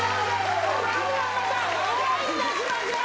それではまたお会いいたしましょう。